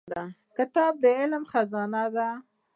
• کتاب د عقل خزانه ده.